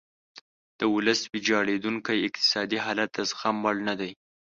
د ولس ویجاړیدونکی اقتصادي حالت د زغم وړ نه دی.